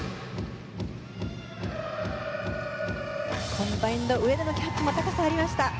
コンバインド上でのキャッチ高さがありました。